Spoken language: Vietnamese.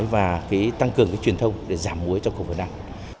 và tăng cường truyền thông để giảm mũi cho khu vực việt nam